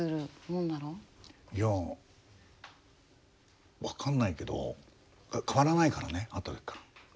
いや分かんないけど変わらないからね会った時から。